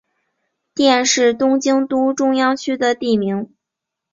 佃是东京都中央区的地名。